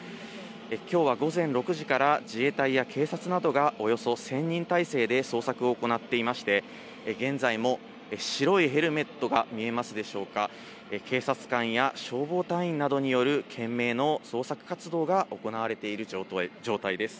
きょうは午前６時から自衛隊や警察などがおよそ１０００人態勢で捜索を行っていまして、現在も白いヘルメットが見えますでしょうか、警察官や消防隊員などによる懸命の捜索活動が行われている状態です。